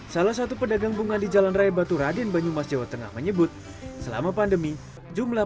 salah satu pedagang bunga di jalan raya batu raden banyumas jawa tengah menyebut selama pandemi jumlah